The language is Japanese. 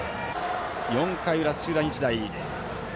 ４回裏、土浦日大。